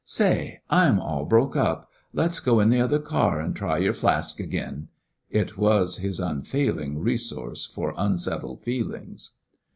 "Say, I 'm all broke up ; let 's go in the other car and try your flask ag'in." It was his unfailing re source for "onsettled feelings."